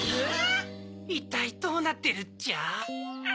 いったいどうなってるっちゃ？